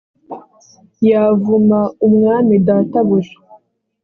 yavuma umwami databuja